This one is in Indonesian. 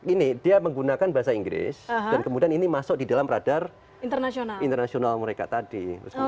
ini dia menggunakan bahasa inggris dan kemudian ini masuk di dalam radar internasional mereka tadi